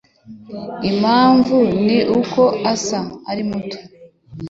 Impamvu ni uko saha ari muto